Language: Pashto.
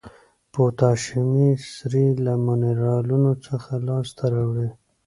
پوتاشیمي سرې له منرالونو څخه لاس ته راوړي.